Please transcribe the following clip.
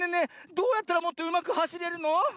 どうやったらもっとうまくはしれるの？